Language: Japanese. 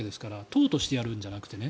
党としてやるんじゃなくて。